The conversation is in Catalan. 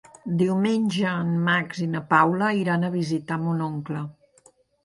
Diumenge en Max i na Paula iran a visitar mon oncle.